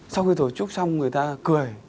sau khi tổ chức xong người ta cười